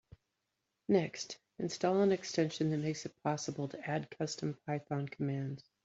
Next, install an extension that makes it possible to add custom Python commands.